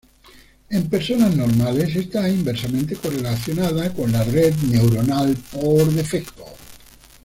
En personas normales, está inversamente correlacionada con la Red neuronal por defecto.